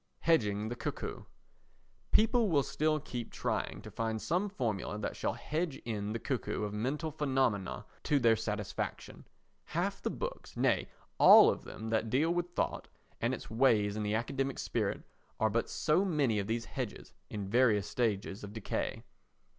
Hedging the Cuckoo People will still keep trying to find some formula that shall hedge in the cuckoo of mental phenomena to their satisfaction. Half the books—nay, all of them that deal with thought and its ways in the academic spirit—are but so many of these hedges in various stages of decay.